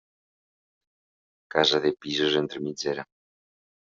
Casa de pisos entre mitgera.